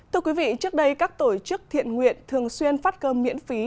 thưa quý vị trước đây các tổ chức thiện nguyện thường xuyên phát cơm miễn phí